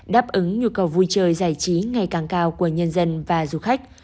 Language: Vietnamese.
đáp ứng nhu cầu vui chơi giải trí ngày càng cao của nhân dân và du khách